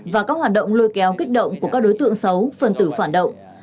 và các hoạt động lôi kéo kích động của các đối tượng xấu phân tử phản động